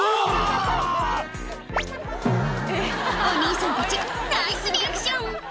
お兄さんたち、ナイスリアクション。